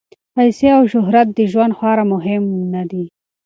پیسې او شهرت د ژوند خورا مهم نه دي.